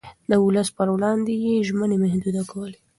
د ولس پر وړاندې يې ژمنې محدودې کولې.